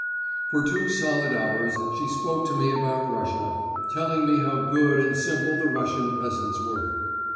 For two solid hours she spoke to me about Russia, telling me how good and simple the Russian peasants were.